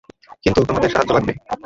কিন্তু তোমাদের সাহায্য লাগবে।